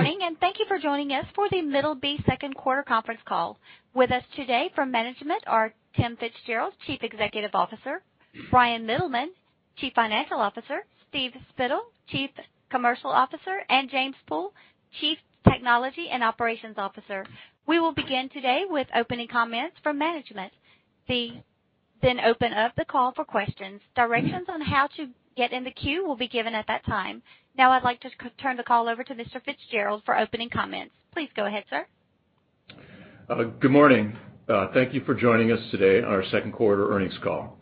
Good morning and thank you for joining us for The Middleby Second Quarter Conference Call. With us today from management are Tim Fitzgerald, Chief Executive Officer, Bryan Mittelman, Chief Financial Officer, Steve Spittle, Chief Commercial Officer, and James Pool, Chief Technology and Operations Officer. We will begin today with opening comments from management, then open up the call for questions. Directions on how to get in the queue will be given at that time. Now I'd like to turn the call over to Mr. Fitzgerald for opening comments. Please go ahead, Sir. Good morning. Thank you for joining us today on our second quarter earnings call.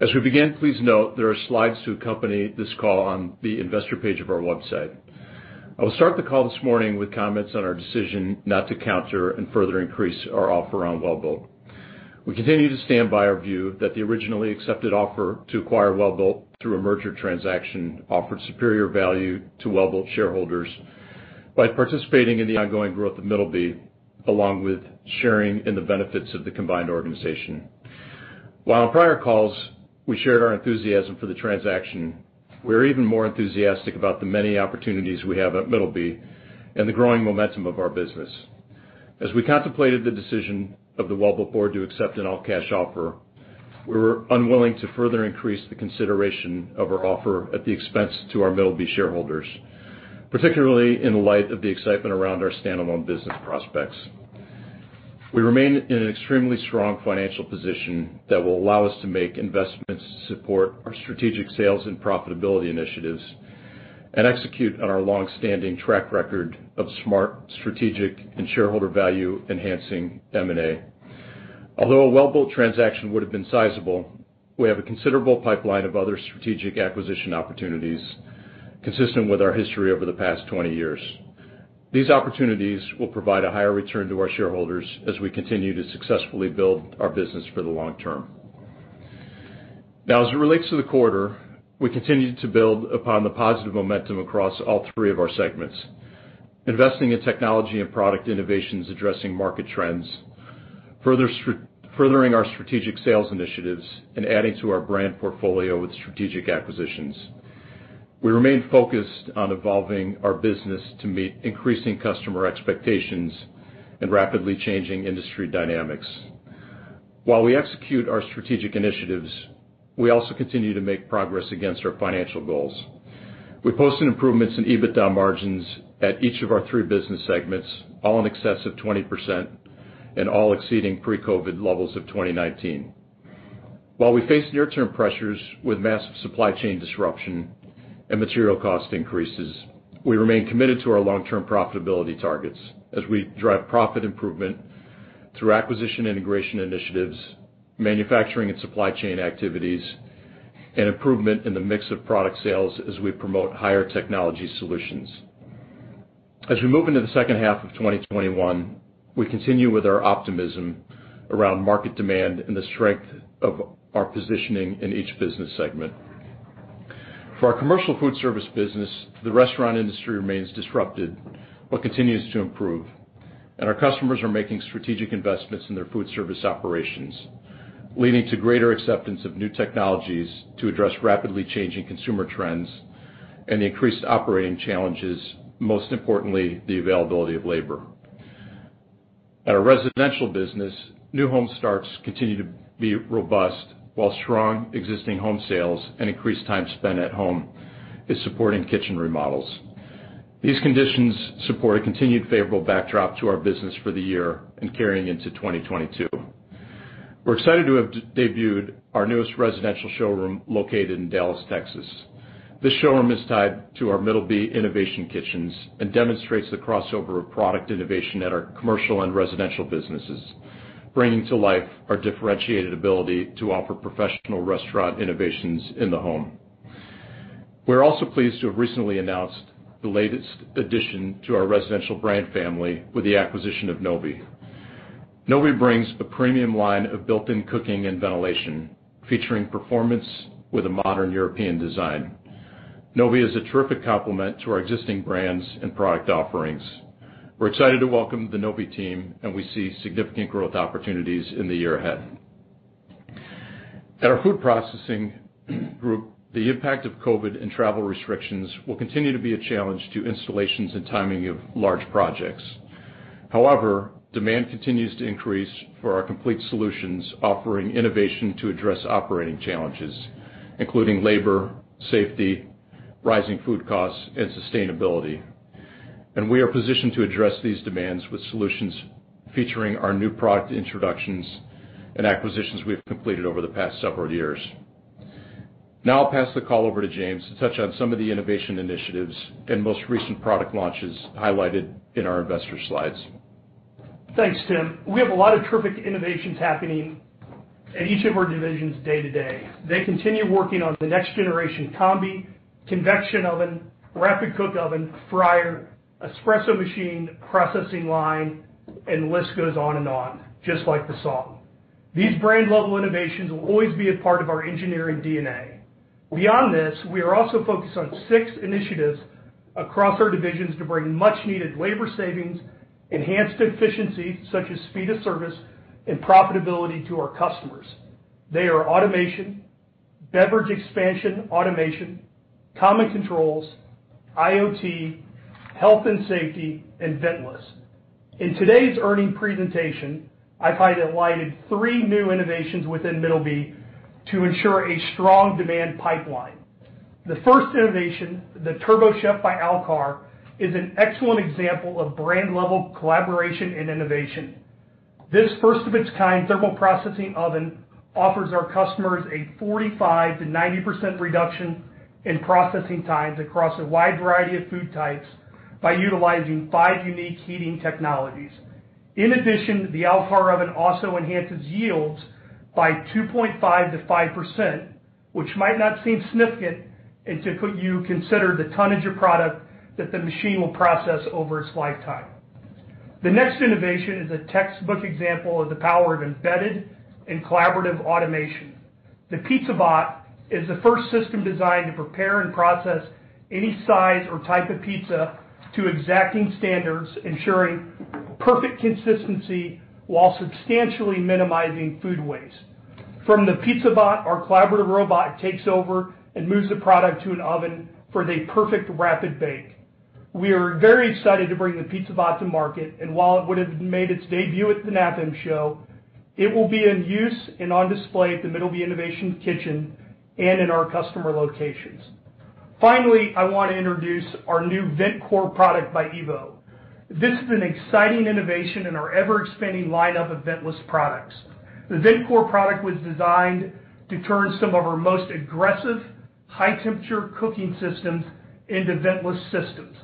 As we begin, please note there are slides to accompany this call on the investor page of our website. I will start the call this morning with comments on our decision not to counter and further increase our offer on Welbilt. We continue to stand by our view that the originally accepted offer to acquire Welbilt through a merger transaction offered superior value to Welbilt shareholders by participating in the ongoing growth of Middleby, along with sharing in the benefits of the combined organization. While on prior calls, we shared our enthusiasm for the transaction, we're even more enthusiastic about the many opportunities we have at Middleby and the growing momentum of our business. As we contemplated the decision of the Welbilt board to accept an all-cash offer, we were unwilling to further increase the consideration of our offer at the expense to our Middleby shareholders, particularly in light of the excitement around our standalone business prospects. We remain in an extremely strong financial position that will allow us to make investments to support our strategic sales and profitability initiatives, and execute on our longstanding track record of smart, strategic, and shareholder value-enhancing M&A. Although a Welbilt transaction would've been sizable, we have a considerable pipeline of other strategic acquisition opportunities consistent with our history over the past 20 years. These opportunities will provide a higher return to our shareholders as we continue to successfully build our business for the long term. As it relates to the quarter, we continued to build upon the positive momentum across all three of our segments, investing in technology and product innovations addressing market trends, furthering our strategic sales initiatives, and adding to our brand portfolio with strategic acquisitions. We remain focused on evolving our business to meet increasing customer expectations and rapidly changing industry dynamics. While we execute our strategic initiatives, we also continue to make progress against our financial goals. We posted improvements in EBITDA margins at each of our three business segments, all in excess of 20%, and all exceeding pre-COVID levels of 2019. While we face near-term pressures with massive supply chain disruption and material cost increases, we remain committed to our long-term profitability targets as we drive profit improvement through acquisition integration initiatives, manufacturing and supply chain activities, and improvement in the mix of product sales as we promote higher technology solutions. As we move into the second half of 2021, we continue with our optimism around market demand and the strength of our positioning in each business segment. For our commercial food service business, the restaurant industry remains disrupted but continues to improve, and our customers are making strategic investments in their food service operations, leading to greater acceptance of new technologies to address rapidly changing consumer trends and increased operating challenges, most importantly, the availability of labor. At our residential business, new home starts continue to be robust, while strong existing home sales and increased time spent at home is supporting kitchen remodels. These conditions support a continued favorable backdrop to our business for the year and carrying into 2022. We're excited to have debuted our newest residential showroom located in Dallas, Texas. This showroom is tied to our Middleby Innovation Kitchens and demonstrates the crossover of product innovation at our commercial and residential businesses, bringing to life our differentiated ability to offer professional restaurant innovations in the home. We're also pleased to have recently announced the latest addition to our residential brand family with the acquisition of Novy. Novy brings a premium line of built-in cooking and ventilation, featuring performance with a modern European design. Novy is a terrific complement to our existing brands and product offerings. We're excited to welcome the Novy team, and we see significant growth opportunities in the year ahead. At our Food Processing Group, the impact of COVID and travel restrictions will continue to be a challenge to installations and timing of large projects. However, demand continues to increase for our complete solutions offering innovation to address operating challenges, including labor, safety, rising food costs, and sustainability. We are positioned to address these demands with solutions featuring our new product introductions and acquisitions we've completed over the past several years. Now I'll pass the call over to James to touch on some of the innovation initiatives and most recent product launches highlighted in our investor slides. Thanks, Tim. We have a lot of terrific innovations happening at each of our divisions day to day. They continue working on the next generation combi, convection oven, rapid cook oven, fryer, espresso machine, processing line, and the list goes on and on, just like the song. These brand-level innovations will always be a part of our engineering DNA. Beyond this, we are also focused on six initiatives across our divisions to bring much needed labor savings, enhanced efficiency, such as speed of service, and profitability to our customers. They are automation, Beverage expansion, automation, common controls, IoT, health and safety, and ventless. In today's earnings presentation, I've highlighted three new innovations within Middleby to ensure a strong demand pipeline. The first innovation, the TurboChef by ALKAR, is an excellent example of brand-level collaboration and innovation. This first of its kind thermal processing oven offers our customers a 45%-90% reduction in processing times across a wide variety of food types by utilizing five unique heating technologies. In addition, the ALKAR oven also enhances yields by 2.5%-5%, which might not seem significant until you consider the tonnage of product that the machine will process over its lifetime. The next innovation is a textbook example of the power of embedded and collaborative automation. The PizzaBot is the first system designed to prepare and process any size or type of pizza to exacting standards, ensuring perfect consistency while substantially minimizing food waste. From the PizzaBot, our collaborative robot takes over and moves the product to an oven for the perfect rapid bake. We are very excited to bring the PizzaBot to market, and while it would've made its debut at the NAFEM show, it will be in use and on display at the Middleby Innovation Kitchen and in our customer locations. Finally, I want to introduce our new VentCore product by Evo. This is an exciting innovation in our ever-expanding lineup of ventless products. The VentCore product was designed to turn some of our most aggressive, high-temperature cooking systems into ventless systems.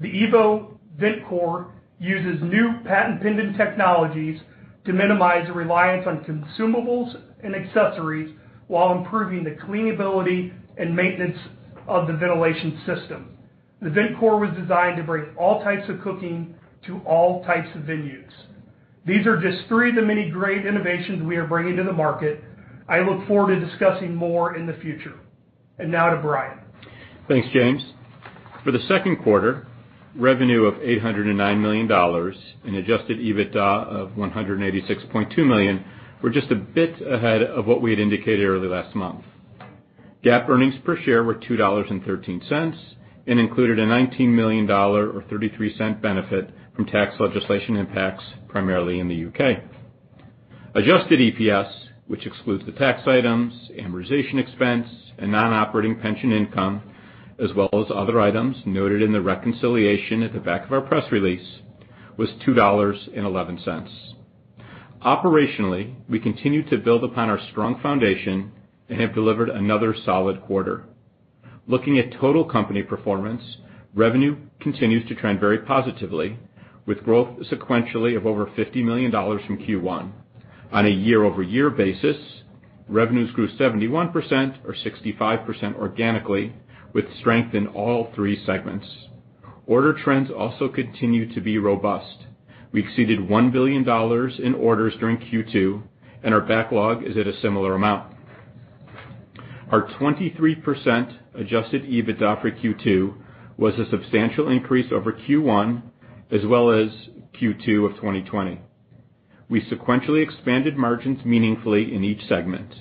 The Evo VentCore uses new patent pending technologies to minimize the reliance on consumables and accessories while improving the cleanability and maintenance of the ventilation system. The VentCore was designed to bring all types of cooking to all types of venues. These are just three of the many great innovations we are bringing to the market. I look forward to discussing more in the future. Now to Bryan. Thanks, James. For the second quarter, revenue of $809 million in adjusted EBITDA of $186.2 million were just a bit ahead of what we had indicated early last month. GAAP earnings per share were $2.13 and included a $19 million, or $0.33 benefit from tax legislation impacts primarily in the U.K. Adjusted EPS, which excludes the tax items, amortization expense, and non-operating pension income, as well as other items noted in the reconciliation at the back of our press release, was $2.11. Operationally, we continue to build upon our strong foundation and have delivered another solid quarter. Looking at total company performance, revenue continues to trend very positively, with growth sequentially of over $50 million from Q1. On a year-over-year basis, revenues grew 71%, or 65% organically, with strength in all three segments. Order trends also continue to be robust. We exceeded $1 billion in orders during Q2, and our backlog is at a similar amount. Our 23% adjusted EBITDA for Q2 was a substantial increase over Q1, as well as Q2 of 2020. We sequentially expanded margins meaningfully in each segment.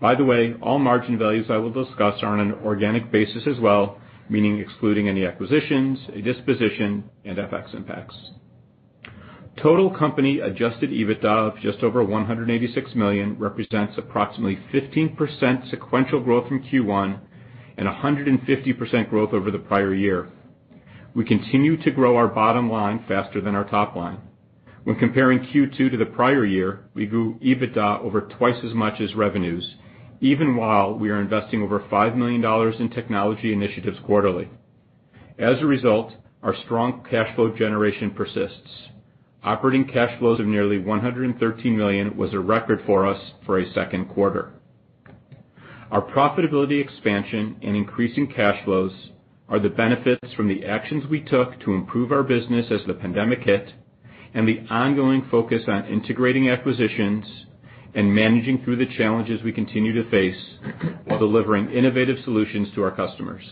By the way, all margin values I will discuss are on an organic basis as well, meaning excluding any acquisitions, a disposition, and FX impacts. Total company adjusted EBITDA of just over $186 million represents approximately 15% sequential growth from Q1 and 150% growth over the prior year. We continue to grow our bottom line faster than our top line. When comparing Q2 to the prior year, we grew EBITDA over twice as much as revenues, even while we are investing over $5 million in technology initiatives quarterly. As a result, our strong cash flow generation persists. Operating cash flows of nearly $113 million was a record for us for a second quarter. Our profitability expansion and increasing cash flows are the benefits from the actions we took to improve our business as the pandemic hit, and the ongoing focus on integrating acquisitions and managing through the challenges we continue to face while delivering innovative solutions to our customers.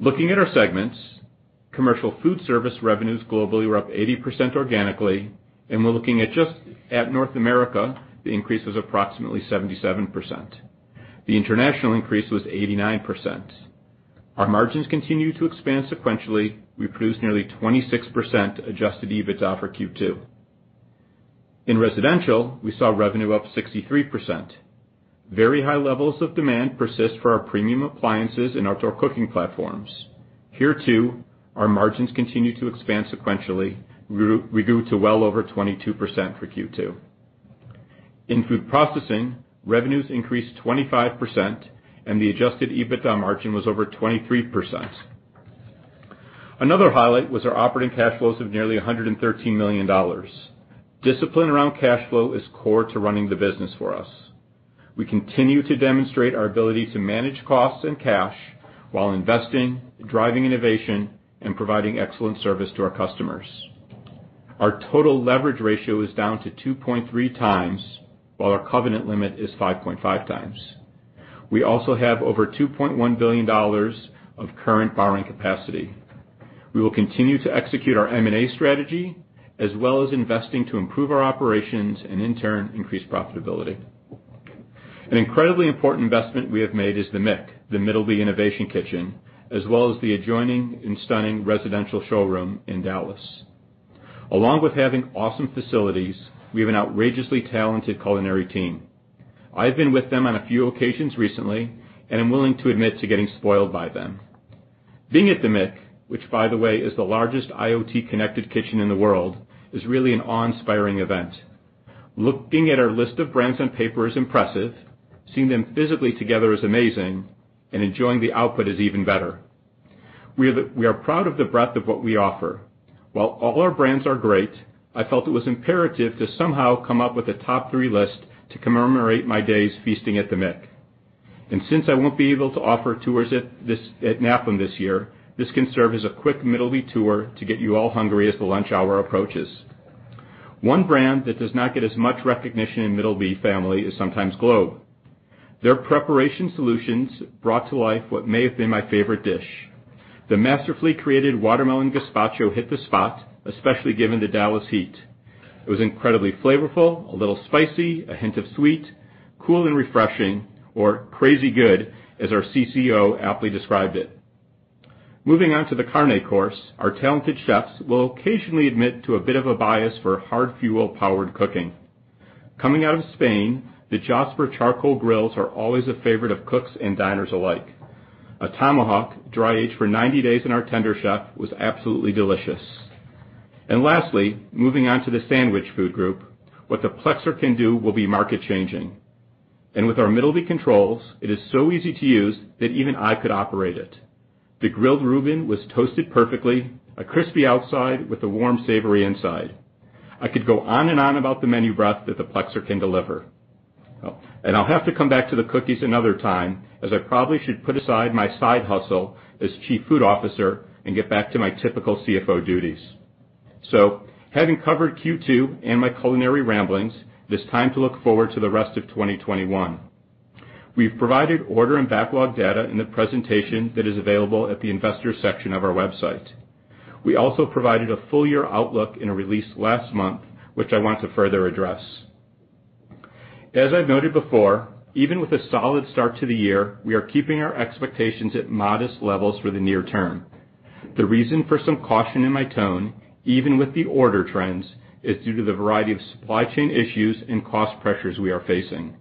Looking at our segments, commercial food service revenues globally were up 80% organically, and we're looking at just at North America, the increase was approximately 77%. The international increase was 89%. Our margins continue to expand sequentially. We produced nearly 26% adjusted EBITDA for Q2. In residential, we saw revenue up 63%. Very high levels of demand persist for our premium appliances and outdoor cooking platforms. Here, too, our margins continue to expand sequentially. We grew to well over 22% for Q2. In food processing, revenues increased 25%, and the adjusted EBITDA margin was over 23%. Another highlight was our operating cash flows of nearly $113 million. Discipline around cash flow is core to running the business for us. We continue to demonstrate our ability to manage costs and cash while investing, driving innovation, and providing excellent service to our customers. Our total leverage ratio is down to 2.3x, while our covenant limit is 5.5x. We also have over $2.1 billion of current borrowing capacity. We will continue to execute our M&A strategy, as well as investing to improve our operations, and in turn, increase profitability. An incredibly important investment we have made is the MIK, the Middleby Innovation Kitchens, as well as the adjoining and stunning residential showroom in Dallas. Along with having awesome facilities, we have an outrageously talented culinary team. I've been with them on a few occasions recently, and I'm willing to admit to getting spoiled by them. Being at the MIK, which by the way, is the largest IoT-connected kitchen in the world, is really an awe-inspiring event. Looking at our list of brands on paper is impressive. Seeing them physically together is amazing, and enjoying the output is even better. We are proud of the breadth of what we offer. While all our brands are great, I felt it was imperative to somehow come up with a top three list to commemorate my days feasting at the MIK. Since I won't be able to offer tours at NAFEM this year, this can serve as a quick Middleby tour to get you all hungry as the lunch hour approaches. One brand that does not get as much recognition in Middleby family is sometimes Globe. Their preparation solutions brought to life what may have been my favorite dish. The masterfully created watermelon gazpacho hit the spot, especially given the Dallas heat. It was incredibly flavorful, a little spicy, a hint of sweet, cool, and refreshing, or crazy good, as our CCO aptly described it. Moving on to the carne course, our talented chefs will occasionally admit to a bit of a bias for hard fuel-powered cooking. Coming out of Spain, the Josper charcoal grills are always a favorite of cooks and diners alike. A tomahawk dry-aged for 90 days in our TenderChef was absolutely delicious. Lastly, moving on to the sandwich food group. What the PLEXOR can do will be market-changing. With our Middleby controls, it is so easy to use that even I could operate it. The grilled Reuben was toasted perfectly, a crispy outside with a warm, savory inside. I could go on and on about the menu breadth that the PLEXOR can deliver. I'll have to come back to the cookies another time, as I probably should put aside my side hustle as chief food officer and get back to my typical CFO duties. Having covered Q2 and my culinary ramblings, it is time to look forward to the rest of 2021. We've provided order and backlog data in the presentation that is available at the investor section of our website. We also provided a full-year outlook in a release last month, which I want to further address. As I've noted before, even with a solid start to the year, we are keeping our expectations at modest levels for the near term. The reason for some caution in my tone, even with the order trends, is due to the variety of supply chain issues and cost pressures we are facing.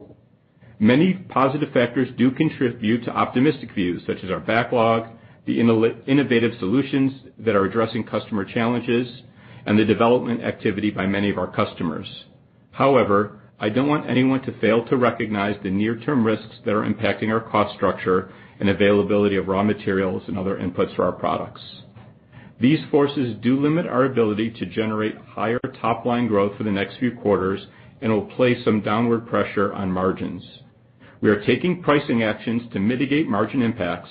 Many positive factors do contribute to optimistic views, such as our backlog, the innovative solutions that are addressing customer challenges, and the development activity by many of our customers. However, I don't want anyone to fail to recognize the near-term risks that are impacting our cost structure and availability of raw materials and other inputs for our products. These forces do limit our ability to generate higher top-line growth for the next few quarters and will place some downward pressure on margins. We are taking pricing actions to mitigate margin impacts.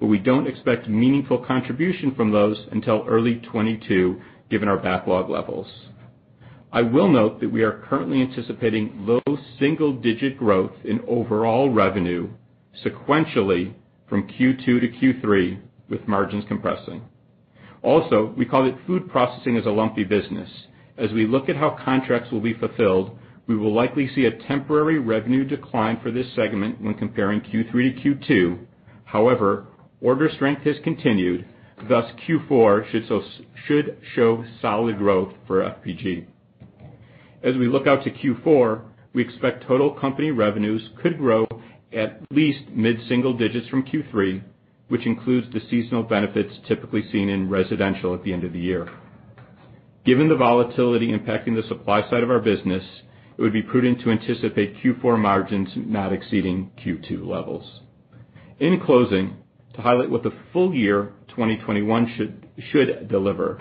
We don't expect meaningful contribution from those until early 2022, given our backlog levels. I will note that we are currently anticipating low single-digit growth in overall revenue sequentially from Q2 to Q3, with margins compressing. Also, we call it food processing as a lumpy business. As we look at how contracts will be fulfilled, we will likely see a temporary revenue decline for this segment when comparing Q3 to Q2. However, order strength has continued, thus Q4 should show solid growth for FPG. As we look out to Q4, we expect total company revenues could grow at least mid-single digits from Q3, which includes the seasonal benefits typically seen in residential at the end of the year. Given the volatility impacting the supply side of our business, it would be prudent to anticipate Q4 margins not exceeding Q2 levels. In closing, to highlight what the full year 2021 should deliver.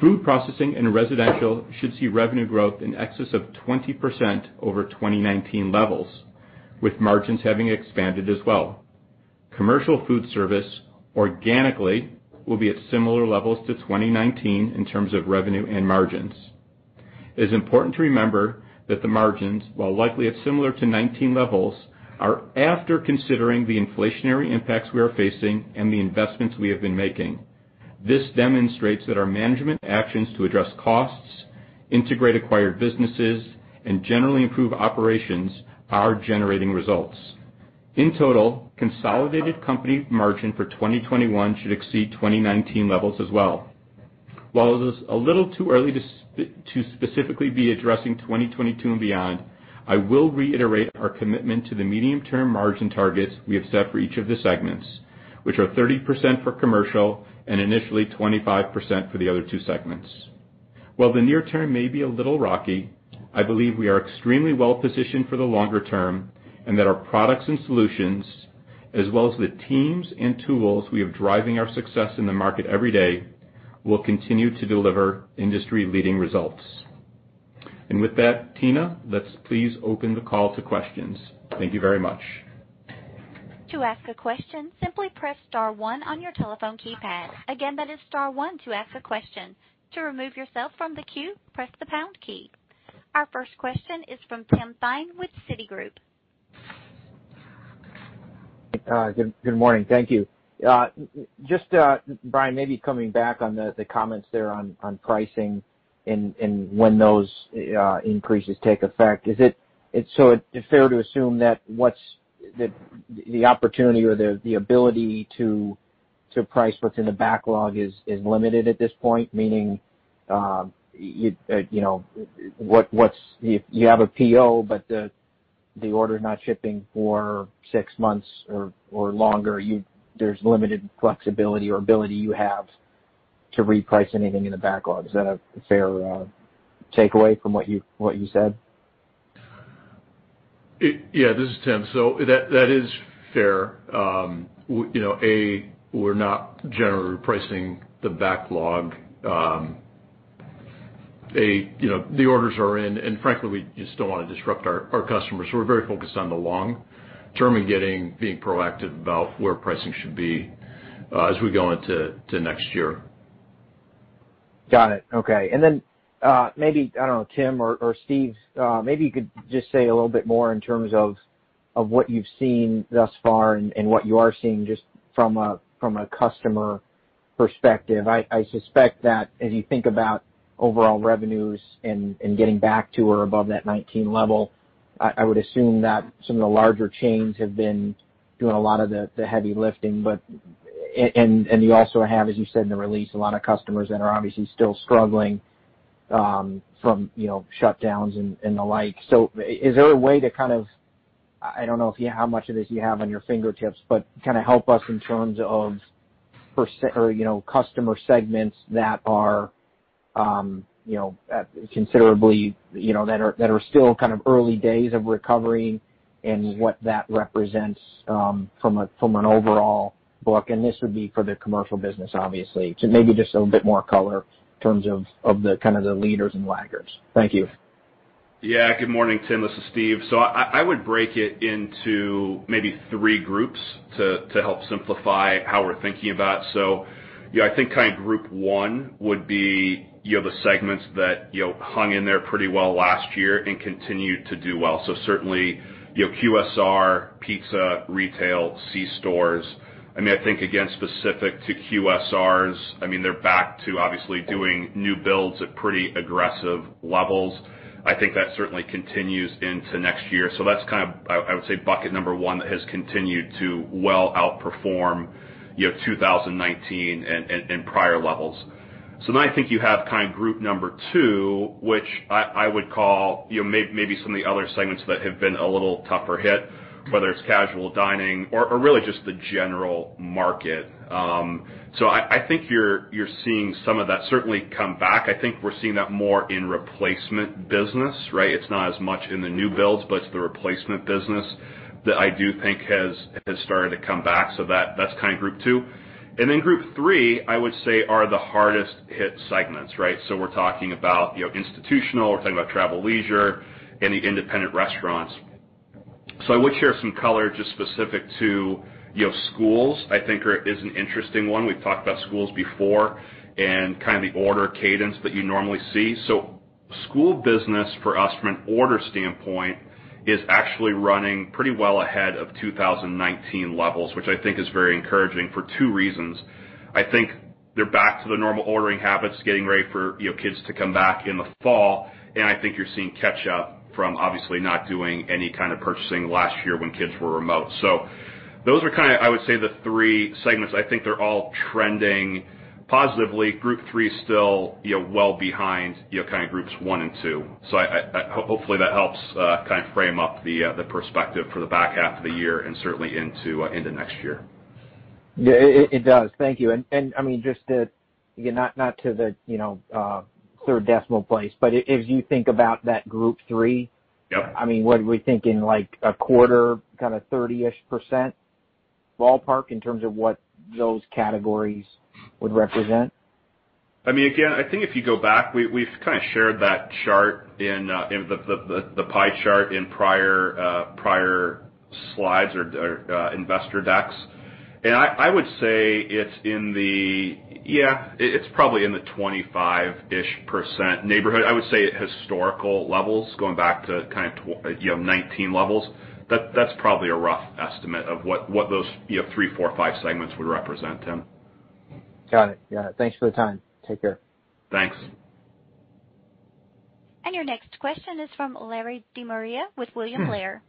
Food processing and residential should see revenue growth in excess of 20% over 2019 levels, with margins having expanded as well. Commercial food service organically will be at similar levels to 2019 in terms of revenue and margins. It is important to remember that the margins, while likely at similar to 2019 levels, are after considering the inflationary impacts we are facing and the investments we have been making. This demonstrates that our management actions to address costs, integrate acquired businesses, and generally improve operations are generating results. In total, consolidated company margin for 2021 should exceed 2019 levels as well. While it is a little too early to specifically be addressing 2022 and beyond, I will reiterate our commitment to the medium-term margin targets we have set for each of the segments, which are 30% for commercial and initially 25% for the other two segments. While the near term may be a little rocky, I believe we are extremely well-positioned for the longer term, and that our products and solutions, as well as the teams and tools we have driving our success in the market every day, will continue to deliver industry-leading results. With that, Tina, let's please open the call to questions. Thank you very much. To ask a question, simply press star one on your telephone keypad. Again, that is star one to ask a question. To remove yourself from the queue, press the pound key. Our first question is from Tim Thein with Citigroup. Good morning. Thank you. Bryan, maybe coming back on the comments there on pricing and when those increases take effect. Is it fair to assume that the opportunity or the ability to price what's in the backlog is limited at this point? Meaning, you have a PO, but the order is not shipping for six months or longer. There's limited flexibility or ability you have to reprice anything in the backlog. Is that a fair takeaway from what you said? Yeah. This is Tim. That is fair. A, we're not generally repricing the backlog. The orders are in, and frankly, we just don't want to disrupt our customers. We're very focused on the long term and being proactive about where pricing should be as we go into next year. Got it. Okay. Then maybe, I don't know, Tim or Steve, maybe you could just say a little bit more in terms of what you've seen thus far and what you are seeing just from a customer perspective. I suspect that as you think about overall revenues and getting back to or above that 2019 level, I would assume that some of the larger chains have been doing a lot of the heavy lifting. You also have, as you said in the release, a lot of customers that are obviously still struggling from shutdowns and the like. Is there a way I don't know how much of this you have on your fingertips, but help us in terms of customer segments that are still early days of recovery and what that represents from an overall book, and this would be for the commercial business, obviously. Maybe just a little bit more color in terms of the leaders and laggards. Thank you. Yeah. Good morning, Tim. This is Steve. I would break it into maybe three groups to help simplify how we're thinking about it. I think group one would be the segments that hung in there pretty well last year and continue to do well. Certainly, QSR, pizza, retail, C stores. I think, again specific to QSRs, they're back to obviously doing new builds at pretty aggressive levels. I think that certainly continues into next year. That's, I would say, bucket number one that has continued to well outperform 2019 and prior levels. I think you have group number two, which I would call maybe some of the other segments that have been a little tougher hit, whether it's casual dining or really just the general market. I think you're seeing some of that certainly come back. I think we're seeing that more in replacement business, right? It's not as much in the new builds, but it's the replacement business that I do think has started to come back. That's group two. Group three, I would say, are the hardest hit segments, right? We're talking about institutional, we're talking about travel, leisure, any independent restaurants. I would share some color just specific to schools, I think is an interesting one. We've talked about schools before and the order cadence that you normally see. School business for us from an order standpoint is actually running pretty well ahead of 2019 levels, which I think is very encouraging for two reasons. I think they're back to their normal ordering habits, getting ready for kids to come back in the fall, and I think you're seeing catch up from obviously not doing any kind of purchasing last year when kids were remote. Those are, I would say, the three segments. I think they're all trending positively. Group three is still well behind groups one and two. Hopefully that helps frame up the perspective for the back half of the year and certainly into next year. Yeah, it does. Thank you. Just to, again, not to the third decimal place, but as you think about that group three. Yep. Are we thinking like a quarter, 30-ish% ballpark in terms of what those categories would represent? Again, I think if you go back, we've shared that chart, the pie chart, in prior slides or investor decks. I would say it's probably in the 25-ish% neighborhood. I would say at historical levels, going back to 2019 levels. That's probably a rough estimate of what those three, four, five segments would represent, Tim. Got it. Yeah. Thanks for the time. Take care. Thanks. Your next question is from Larry De Maria with William Blair.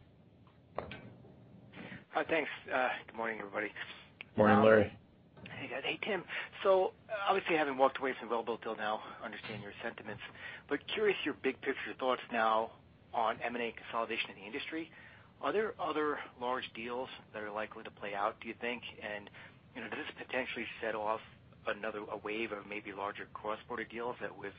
Hi, thanks. Good morning, everybody. Morning, Larry. Hey, guys. Hey, Tim. Obviously, having walked away from Welbilt until now, understand your sentiments. Curious your big picture thoughts now on M&A consolidation in the industry. Are there other large deals that are likely to play out, do you think? Does this potentially set off a wave of maybe larger cross-border deals that we've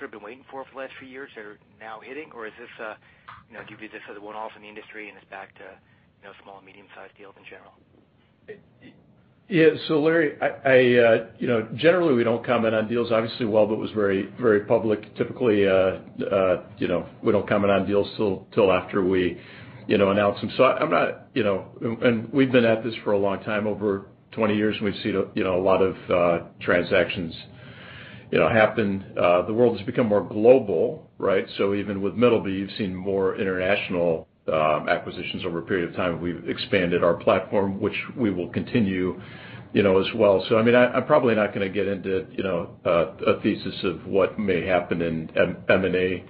sort of been waiting for the last few years that are now hitting? Do you view this as a one-off in the industry and it's back to small and medium sized deals in general? Yeah. Larry, generally we don't comment on deals. Obviously, Welbilt was very public. Typically, we don't comment on deals till after we announce them. We've been at this for a long time, over 20 years, and we've seen a lot of transactions happened, the world has become more global, right? Even with Middleby, you've seen more international acquisitions over a period of time. We've expanded our platform, which we will continue as well. I'm probably not going to get into a thesis of what may happen in M&A.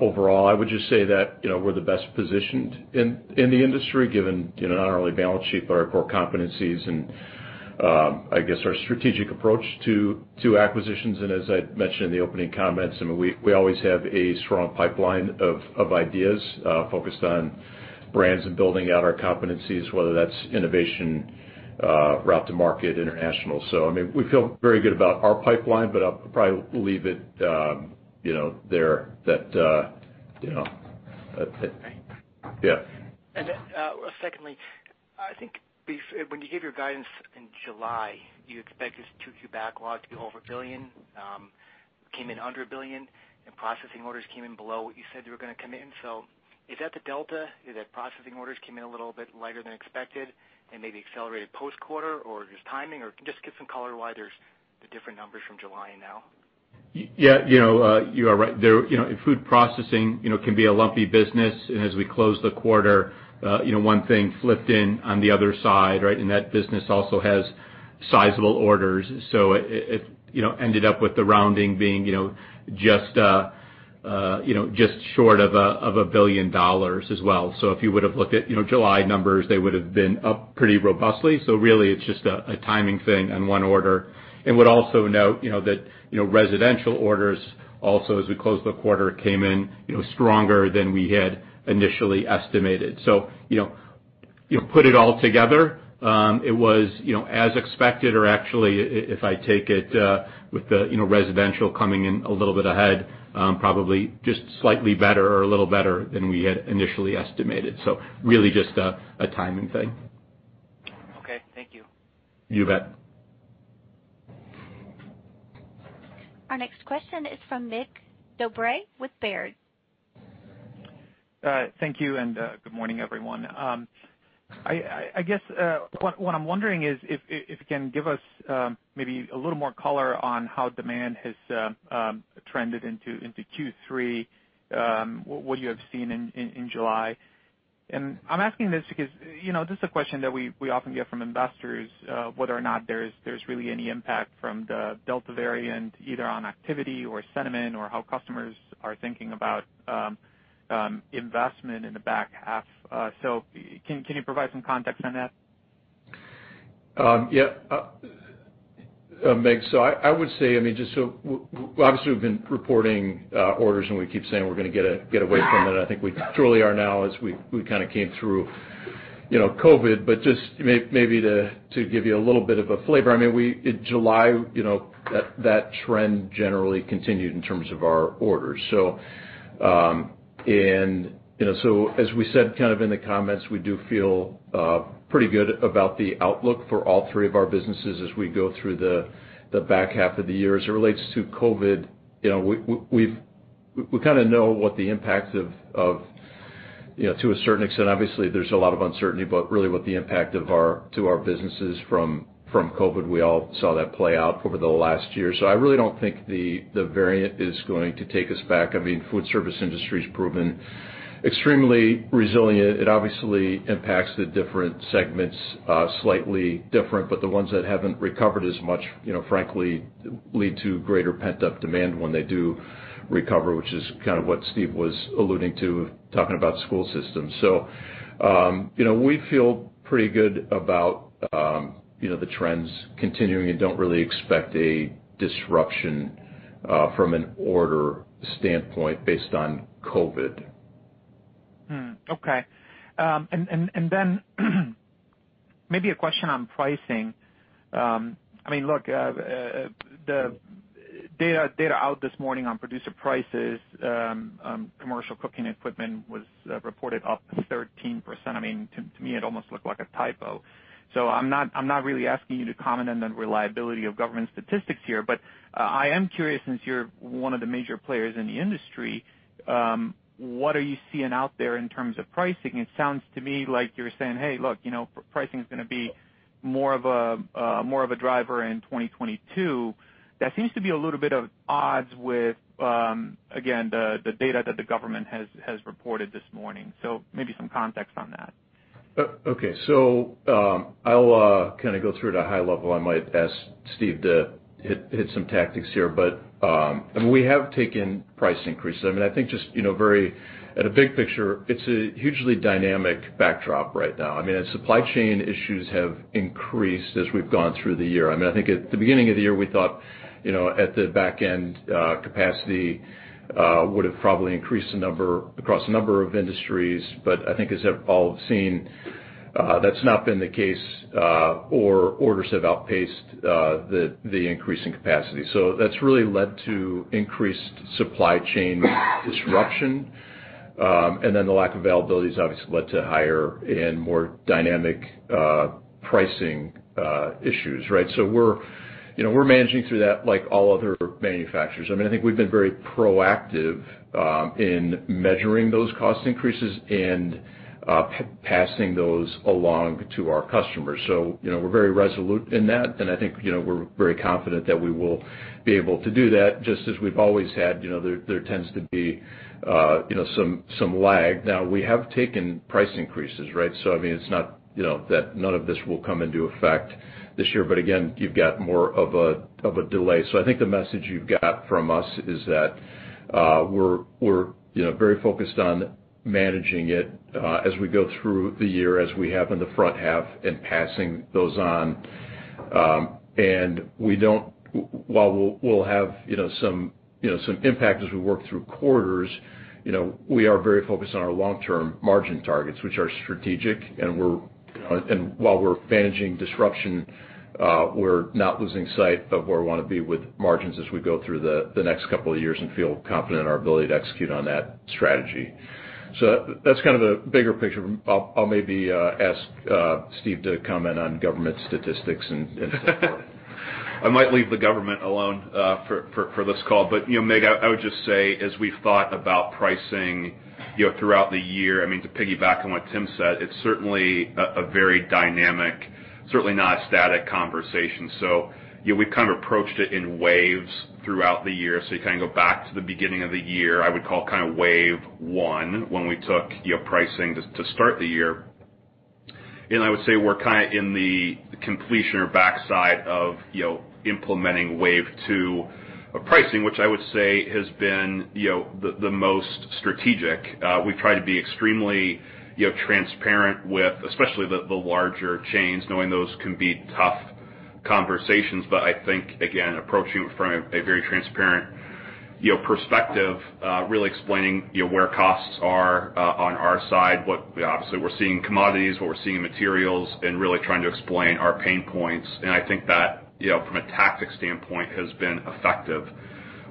Overall, I would just say that we're the best positioned in the industry given, not only our balance sheet, but our core competencies and, I guess, our strategic approach to acquisitions. As I mentioned in the opening comments, we always have a strong pipeline of ideas focused on brands and building out our competencies, whether that's innovation, route to market, international. We feel very good about our pipeline, but I'll probably leave it there. Okay. Yeah. Secondly, I think when you gave your guidance in July, you expected Q2 backlog to be over $1 billion. Came in under $1 billion, and processing orders came in below what you said they were going to come in. Is that the Delta? Is that processing orders came in a little bit lighter than expected and maybe accelerated post-quarter, or just timing? Just give some color why there's the different numbers from July and now. Yeah. You are right. Food processing can be a lumpy business, and as we closed the quarter, one thing flipped in on the other side, right? That business also has sizable orders, so it ended up with the rounding being just short of $1 billion as well. If you would've looked at July numbers, they would've been up pretty robustly. Really, it's just a timing thing on one order. Would also note that residential orders, also as we closed the quarter, came in stronger than we had initially estimated. Put it all together, it was as expected or actually, if I take it with the residential coming in a little bit ahead, probably just slightly better or a little better than we had initially estimated. Really just a timing thing. Okay. Thank you. You bet. Our next question is from Mig Dobre with Baird. Thank you. Good morning, everyone. I guess, what I'm wondering is if you can give us maybe a little more color on how demand has trended into Q3, what you have seen in July. I'm asking this because this is a question that we often get from investors, whether or not there's really any impact from the Delta variant, either on activity or sentiment, or how customers are thinking about investment in the back half. Can you provide some context on that? Yeah. Mircea, I would say, obviously we've been reporting orders, and we keep saying we're going to get away from it. I think we truly are now as we kind of came through COVID. Just maybe to give you a little bit of a flavor. In July, that trend generally continued in terms of our orders. As we said kind of in the comments, we do feel pretty good about the outlook for all three of our businesses as we go through the back half of the year. As it relates to COVID, we kind of know what the impact of, to a certain extent, obviously, there's a lot of uncertainty, but really what the impact to our businesses from COVID. We all saw that play out over the last year. I really don't think the variant is going to take us back. Food service industry's proven extremely resilient. It obviously impacts the different segments slightly different, but the ones that haven't recovered as much, frankly, lead to greater pent-up demand when they do recover, which is kind of what Steve was alluding to, talking about school systems. We feel pretty good about the trends continuing and don't really expect a disruption from an order standpoint based on COVID. Okay. Then maybe a question on pricing. Look, the data out this morning on producer prices, commercial cooking equipment was reported up 13%. To me, it almost looked like a typo. I'm not really asking you to comment on the reliability of government statistics here, but I am curious, since you're one of the major players in the industry, what are you seeing out there in terms of pricing? It sounds to me like you're saying, "Hey, look, pricing's going to be more of a driver in 2022." That seems to be a little bit at odds with, again, the data that the government has reported this morning. Maybe some context on that. Okay. I'll kind of go through it at a high level. I might ask Steve to hit some tactics here. We have taken price increases. At a big picture, it's a hugely dynamic backdrop right now. Supply chain issues have increased as we've gone through the year. I think as you've all seen, that's not been the case, or orders have outpaced the increase in capacity. That's really led to increased supply chain disruption. The lack of availability has obviously led to higher and more dynamic pricing issues, right. We're managing through that like all other manufacturers. I think we've been very proactive in measuring those cost increases and passing those along to our customers. We're very resolute in that, and I think we're very confident that we will be able to do that just as we've always had. There tends to be some lag. We have taken price increases, right? I mean, it's not that none of this will come into effect this year, but again, you've got more of a delay. I think the message you've got from us is that we're very focused on managing it as we go through the year, as we have in the front half, and passing those on. While we'll have some impact as we work through quarters, we are very focused on our long-term margin targets, which are strategic. While we're managing disruption, we're not losing sight of where we want to be with margins as we go through the next couple of years and feel confident in our ability to execute on that strategy. That's kind of the bigger picture. I'll maybe ask Steve to comment on government statistics and so forth. I might leave the government alone for this call. Mig, I would just say, as we thought about pricing throughout the year, to piggyback on what Tim said, it's certainly a very dynamic, certainly not a static conversation. We've kind of approached it in waves throughout the year. You go back to the beginning of the year; I would call wave one when we took pricing to start the year. I would say we're in the completion or backside of implementing wave two of pricing, which I would say has been the most strategic. We've tried to be extremely transparent with especially the larger chains, knowing those can be tough conversations. I think, again, approaching it from a very transparent perspective, really explaining where costs are on our side, what obviously we're seeing in commodities, what we're seeing in materials, and really trying to explain our pain points. I think that from a tactic standpoint, has been effective.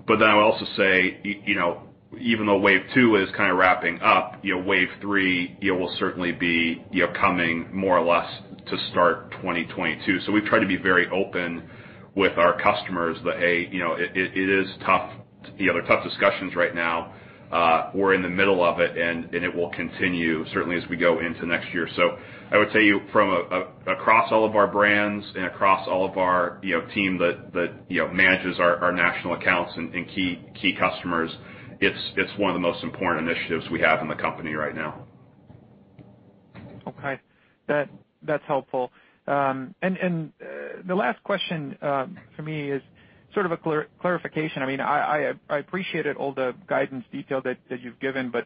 I would also say, even though wave two is kind of wrapping up, wave three will certainly be coming more or less to start 2022. We've tried to be very open with our customers that, hey, they're tough discussions right now. We're in the middle of it, and it will continue certainly as we go into next year. I would tell you from across all of our brands and across all of our team that manages our national accounts and key customers, it's one of the most important initiatives we have in the company right now. Okay. That's helpful. The last question from me is sort of a clarification. I appreciated all the guidance detail that you've given, but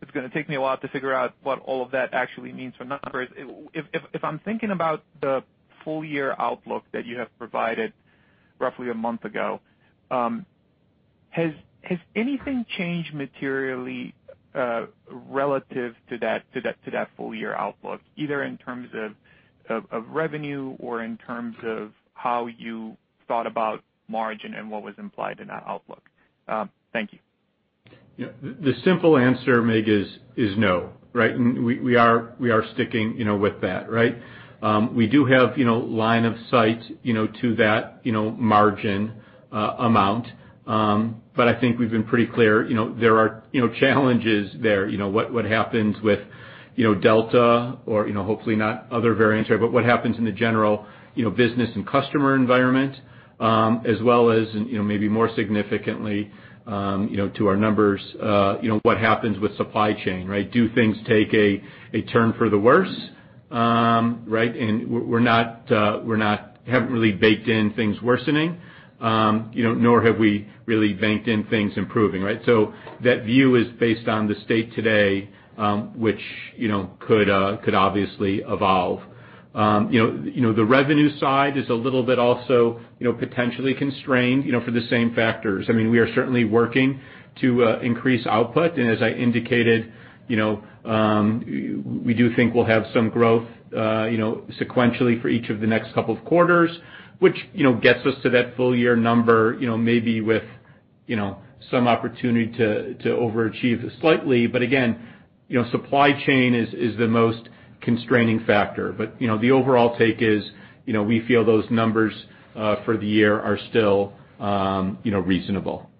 it's going to take me a while to figure out what all of that actually means for numbers. If I'm thinking about the full year outlook that you have provided roughly a month ago, has anything changed materially relative to that full year outlook, either in terms of revenue or in terms of how you thought about margin and what was implied in that outlook? Thank you. The simple answer, Mig, is no. Right? We are sticking with that. Right? We do have line of sight to that margin amount. I think we've been pretty clear. There are challenges there. What happens with Delta or hopefully not other variants. What happens in the general business and customer environment, as well as maybe more significantly, to our numbers, what happens with supply chain, right? Do things take a turn for the worse? Right? We haven't really baked in things worsening, nor have we really baked in things improving, right? That view is based on the state today, which could obviously evolve. The revenue side is a little bit also potentially constrained for the same factors. We are certainly working to increase output, and as I indicated, we do think we'll have some growth sequentially for each of the next couple of quarters, which gets us to that full year number maybe with some opportunity to overachieve slightly. Again, supply chain is the most constraining factor. The overall take is, we feel those numbers for the year are still reasonable.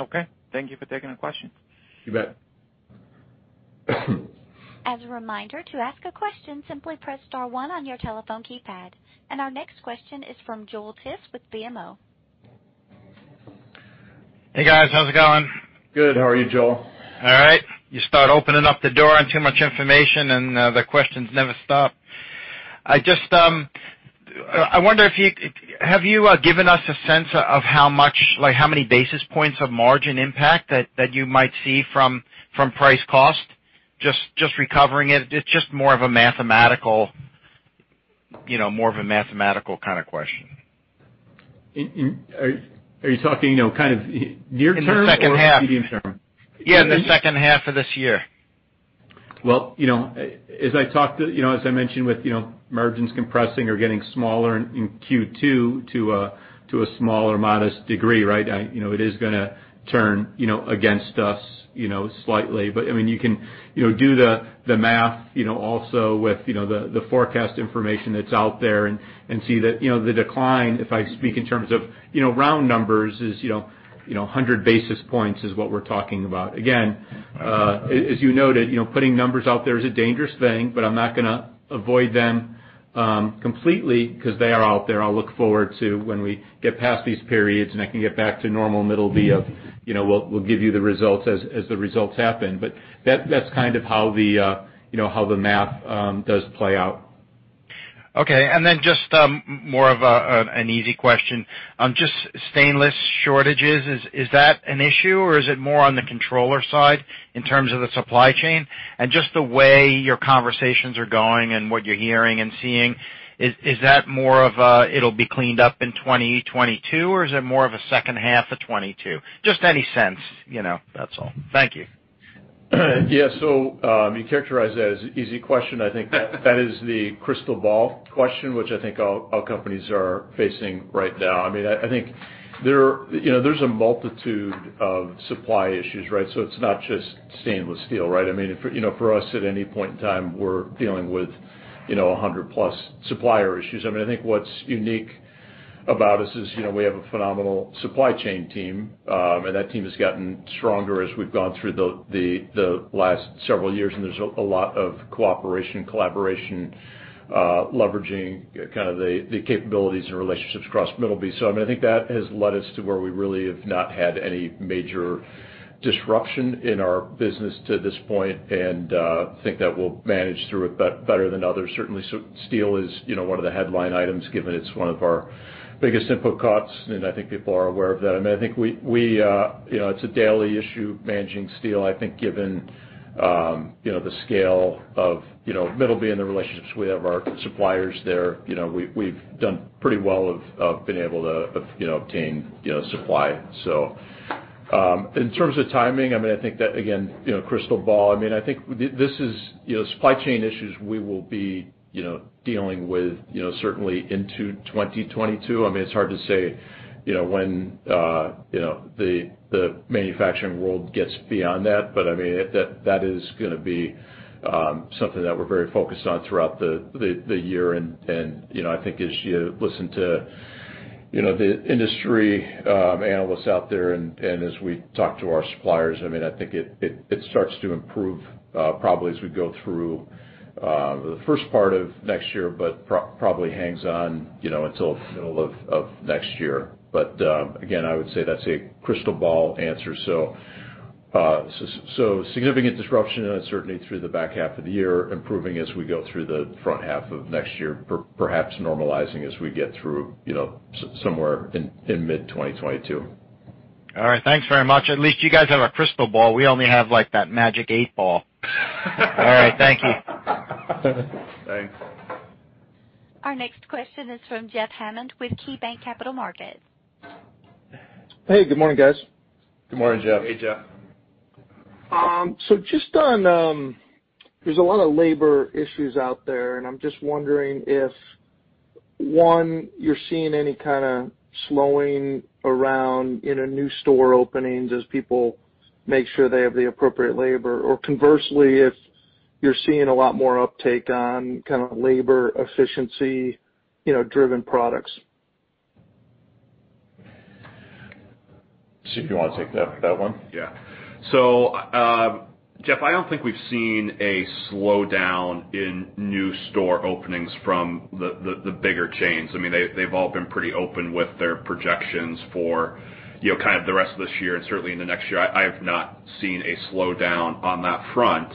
Okay. Thank you for taking the question. You bet. As a reminder, to ask a question, simply press star one on your telephone keypad. Our next question is from Joel Tiss with BMO. Hey, guys. How's it going? Good. How are you, Joel? All right. You start opening up the door on too much information, and the questions never stop. I wonder, have you given us a sense of how many basis points of margin impact that you might see from price cost, just recovering it? It's just more of a mathematical kind of question. Are you talking kind of near term or medium term? Yeah, in the second half of this year. Well, as I mentioned with margins compressing or getting smaller in Q2 to a small or modest degree, it is going to turn against us slightly. You can do the math also with the forecast information that's out there and see that the decline, if I speak in terms of round numbers is 100 basis points, is what we're talking about. Again, as you noted, putting numbers out there is a dangerous thing, but I'm not going to avoid them completely because they are out there. I'll look forward to when we get past these periods, and I can get back to normal Middleby of we'll give you the results as the results happen. That's kind of how the math does play out. Okay. Just more of an easy question. Just stainless shortages, is that an issue, or is it more on the controller side in terms of the supply chain? Just the way your conversations are going and what you're hearing and seeing, is that more of it'll be cleaned up in 2022, or is it more of a second half of 2022? Just any sense. That's all. Thank you. Yeah. You characterize that as an easy question. I think that is the crystal ball question, which I think all companies are facing right now. I think there's a multitude of supply issues, so it's not just stainless steel, right? For us, at any point in time, we're dealing with 100+ supplier issues. I think what's unique about us is we have a phenomenal supply chain team. That team has gotten stronger as we've gone through the last several years, and there's a lot of cooperation, collaboration, leveraging kind of the capabilities and relationships across Middleby. I think that has led us to where we really have not had any major disruption in our business to this point and think that we'll manage through it better than others. Steel is one of the headline items, given it's one of our biggest input costs, and I think people are aware of that. I think it's a daily issue managing steel. I think given the scale of Middleby and the relationships we have with our suppliers there, we've done pretty well, have been able to obtain supply. In terms of timing, I think that, again, crystal ball. I think supply chain issues we will be dealing with certainly into 2022. It's hard to say when the manufacturing world gets beyond that. That is going to be something that we're very focused on throughout the year. I think as you listen to the industry analysts out there and as we talk to our suppliers, I think it starts to improve probably as we go through the first part of next year, but probably hangs on until middle of next year. Again, I would say that's a crystal ball answer. Significant disruption, certainly through the back half of the year, improving as we go through the front half of next year. Perhaps normalizing as we get through somewhere in mid-2022. All right, thanks very much. At least you guys have a crystal ball. We only have that Magic Eight Ball. All right, thank you. Thanks. Our next question is from Jeff Hammond with KeyBanc Capital Markets. Hey, good morning, guys. Good morning, Jeff. Hey, Jeff. Just on, there's a lot of labor issues out there, and I'm just wondering if, one, you're seeing any kind of slowing around in new store openings as people make sure they have the appropriate labor, or conversely, if you're seeing a lot more uptake on labor efficiency driven products. Steve, you want to take that one? Yeah. Jeff, I don't think we've seen a slowdown in new store openings from the bigger chains. They've all been pretty open with their projections for kind of the rest of this year and certainly in the next year. I have not seen a slowdown on that front.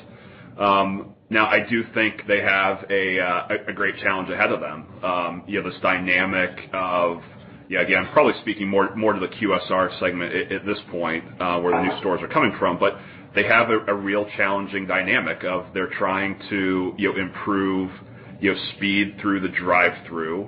I do think they have a great challenge ahead of them. You have this dynamic of, again, I'm probably speaking more to the QSR segment at this point, where the new stores are coming from. They have a real challenging dynamic of they're trying to improve speed through the drive-thru,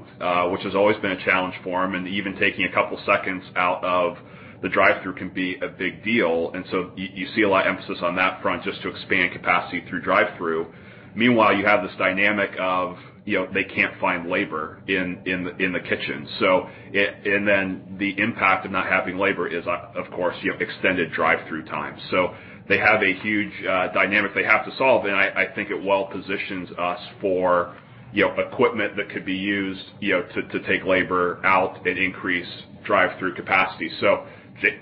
which has always been a challenge for them, and even taking a couple of seconds out of the drive-thru can be a big deal. You see a lot of emphasis on that front just to expand capacity through drive-thru. Meanwhile, you have this dynamic of they can't find labor in the kitchen. The impact of not having labor is, of course, extended drive-thru time. They have a huge dynamic they have to solve, and I think it well positions us for equipment that could be used to take labor out and increase drive-thru capacity. If you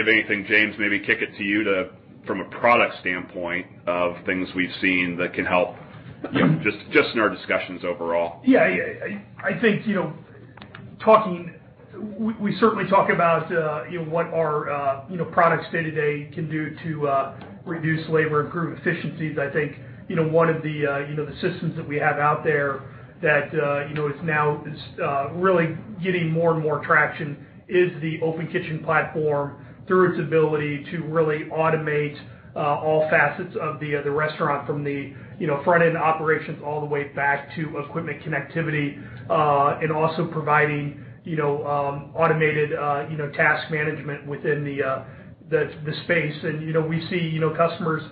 have anything, James, maybe kick it to you from a product standpoint of things we've seen that can help just in our discussions overall. Yeah. I think we certainly talk about what our products day-to-day can do to reduce labor, improve efficiencies. I think 1 of the systems that we have out there that is now really getting more and more traction is the Open Kitchen platform through its ability to really automate all facets of the restaurant from the front-end operations all the way back to equipment connectivity. Also providing automated task management within the space. We see customers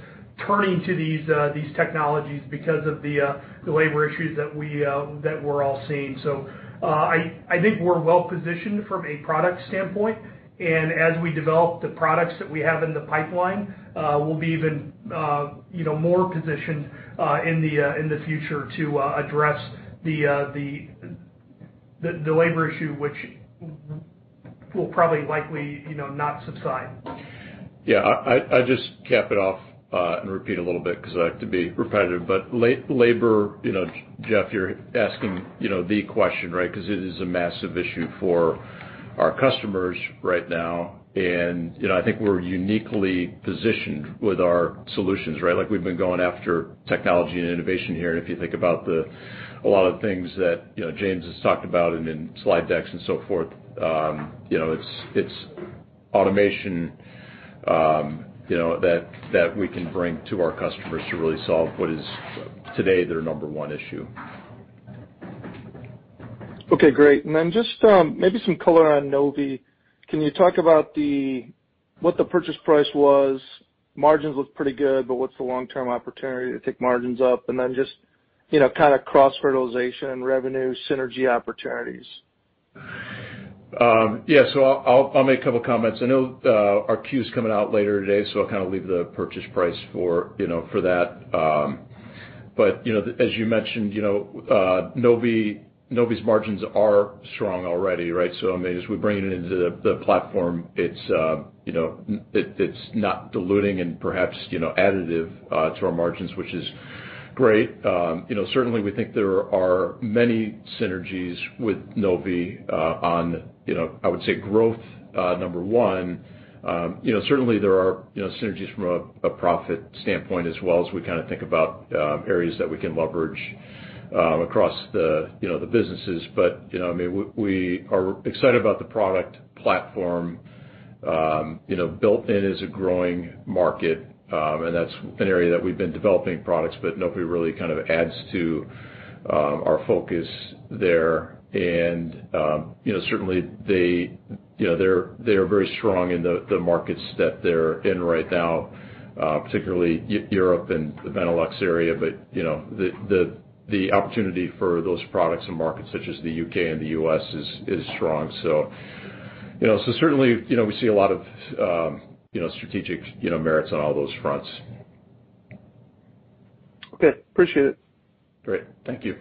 turning to these technologies because of the labor issues that we're all seeing. I think we're well-positioned from a product standpoint. As we develop the products that we have in the pipeline, we'll be even more positioned in the future to address the labor issue, which will probably likely not subside. I just cap it off and repeat a little bit because I like to be repetitive. Labor, Jeff, you're asking the question, right? Because it is a massive issue for our customers right now. I think we're uniquely positioned with our solutions, right? We've been going after technology and innovation here, and if you think about a lot of the things that James has talked about and in slide decks and so forth. It's automation that we can bring to our customers to really solve what is today their number one issue. Okay, great. Just maybe some color on Novy. Can you talk about what the purchase price was? Margins look pretty good, but what's the long-term opportunity to take margins up? Just, kind of cross-fertilization revenue synergy opportunities? I'll make a couple of comments. I know our Q's coming out later today, so I'll kind of leave the purchase price for that. As you mentioned, Novy's margins are strong already, right? I mean, as we bring it into the platform, it's not diluting and perhaps additive to our margins, which is great. We think there are many synergies with Novy on, I would say, growth, number one. Certainly, there are synergies from a profit standpoint as well, as we kind of think about areas that we can leverage across the businesses. We are excited about the product platform. Built-in is a growing market, and that's an area that we've been developing products, but nobody really kind of adds to our focus there. Certainly they are very strong in the markets that they're in right now, particularly Europe and the Benelux area. The opportunity for those products and markets such as the U.K. and the U.S. is strong. Certainly, we see a lot of strategic merits on all those fronts. Okay. Appreciate it. Great. Thank you.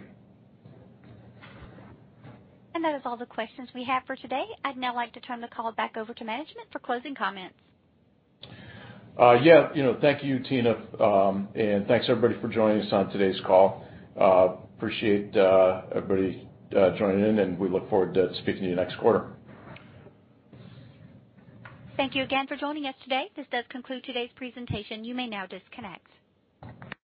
That is all the questions we have for today. I'd now like to turn the call back over to management for closing comments. Yeah. Thank you, Tina, and thanks, everybody, for joining us on today's call. Appreciate everybody joining in, and we look forward to speaking to you next quarter. Thank you again for joining us today. This does conclude today's presentation. You may now disconnect.